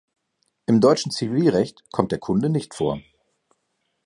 Im deutschen Zivilrecht kommt der Kunde nicht vor.